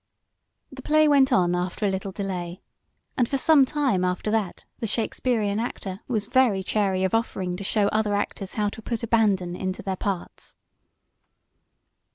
The play went on after a little delay, and for some time after that the Shakespearean actor was very chary of offering to show other actors how to put "abandon" into their parts.